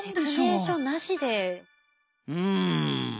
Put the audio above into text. うん。